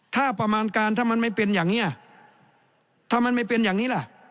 ถ้าประมาณการถ้ามันไม่เป็นอย่างนี้ถ้ามันไม่เป็นอย่างนี้ล่ะ